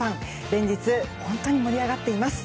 連日本当に盛り上がっています。